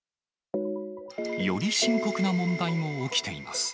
より深刻な問題も起きています。